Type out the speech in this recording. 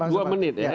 dua menit ya